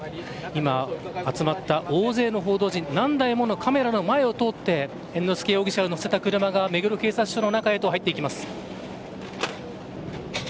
集まった多くの報道陣何台ものカメラの前を通って猿之助容疑者を乗せた車が目黒警察署の中へと入っていきます。